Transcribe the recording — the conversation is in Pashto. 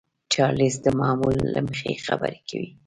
چارليس د معمول له مخې خبرې کولې.